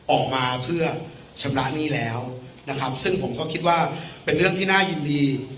ออกมาเพื่อชำระหนี้แล้วนะครับซึ่งผมก็คิดว่าเป็นเรื่องที่น่ายินดี